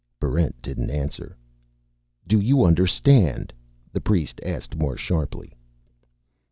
Barrent didn't answer. "Do you understand?" the priest asked more sharply.